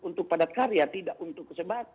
untuk pada karya tidak untuk sebab